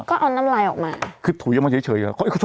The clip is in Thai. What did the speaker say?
ก็เอาน้ำลายออกมาคือถุยออกมาเฉย